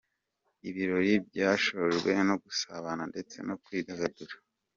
Ibirori byashojwe no gusabana ndetse no kwidagadura.